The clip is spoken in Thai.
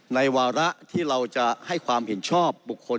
วาระที่เราจะให้ความเห็นชอบบุคคล